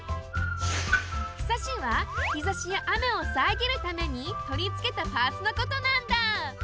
庇はひざしやあめをさえぎるためにとりつけたパーツのことなんだ。